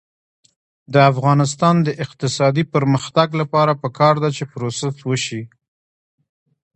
د افغانستان د اقتصادي پرمختګ لپاره پکار ده چې پروسس وشي.